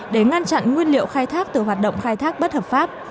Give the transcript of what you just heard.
để ngăn chặn nguyên liệu khai thác từ hoạt động khai thác bất hợp pháp